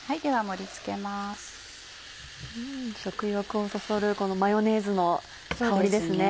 うん食欲をそそるこのマヨネーズの香りですね。